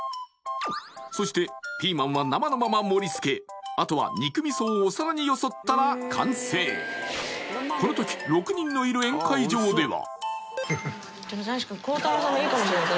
そしてピーマンは生のまま盛り付けあとは肉味噌をお皿によそったら完成この時６人のいる宴会場では？